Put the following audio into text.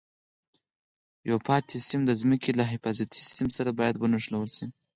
یو پاتې سیم د ځمکې له حفاظتي سیم سره باید ونښلول شي.